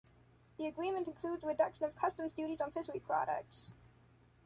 The agreement includes a reduction of customs duties on fishery products.